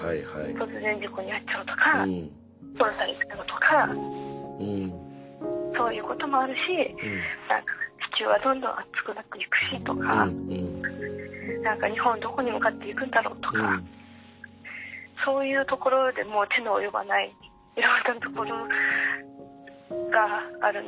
突然事故に遭っちゃうとか殺されちゃうとかそういうこともあるし地球はどんどん熱くなっていくしとか何か日本どこに向かっていくんだろうとかそういうところでもう手の及ばないいろんなところがあるなあって